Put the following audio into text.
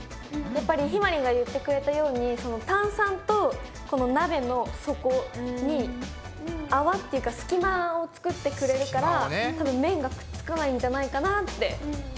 やっぱりひまりんが言ってくれたように炭酸とこの鍋の底に泡っていうか隙間を作ってくれるから麺がくっつかないんじゃないかなって思います。